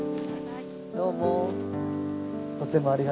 どうも。